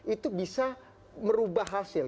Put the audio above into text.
itu bisa merubah hasil